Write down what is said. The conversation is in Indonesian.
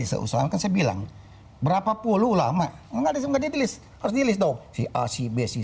disusulkan saya bilang berapa puluh lama enggak disimpan di tulis tulis dong si asyik besi